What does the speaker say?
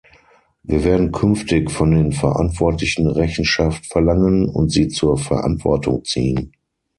Wir werden künftig von den Verantwortlichen Rechenschaft verlangen und sie zur Verantwortung ziehen.